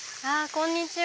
こんにちは。